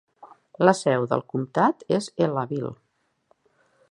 La seu del comtat és Ellaville.